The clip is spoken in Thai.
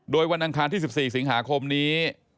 โดยวันอังคารที่๑๔สิงหาคมนี้